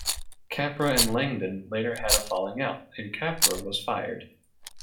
Capra and Langdon later had a falling out, and Capra was fired.